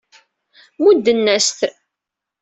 Mudden-as-t.